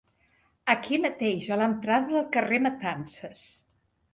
Aquí mateix, a l'entrada del carrer Matances.